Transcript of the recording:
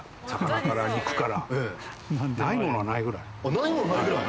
無いもの無いぐらい？